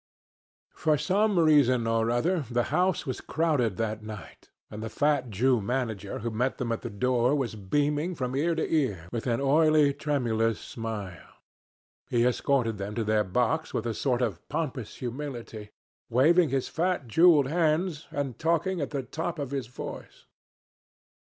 For some reason or other, the house was crowded that night, and the fat Jew manager who met them at the door was beaming from ear to ear with an oily tremulous smile. He escorted them to their box with a sort of pompous humility, waving his fat jewelled hands and talking at the top of his voice.